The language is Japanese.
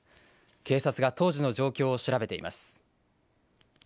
警察が当時の状況を調べています。